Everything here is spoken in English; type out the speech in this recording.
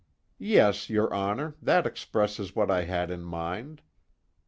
"Yes, your Honor, that expresses what I had in mind."